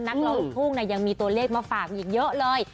นักร้องลูกทุ่งยังมีตัวเลขมาฝากอีกเยอะเลย